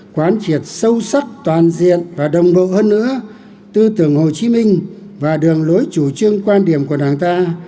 quán triệt sâu sắc toàn diện và đồng bộ hơn nữa tư tưởng hồ chí minh và đường lối chủ trương quan điểm của đảng ta